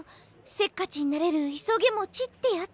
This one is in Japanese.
せっかちになれるいそげもちってやつ。